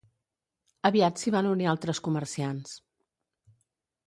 Aviat s'hi van unir altres comerciants.